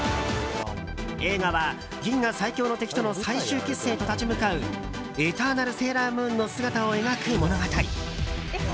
映画は、銀河最強の敵との最終決戦へと立ち向かうエターナルセーラームーンの姿を描く物語。